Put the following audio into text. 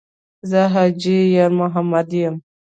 ـ زه حاجي یارمحمد یم.